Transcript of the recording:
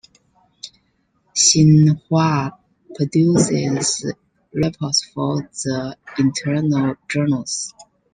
Xinhua produces reports for the "internal" journals.